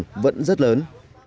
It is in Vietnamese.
thị trường vẫn rất lớn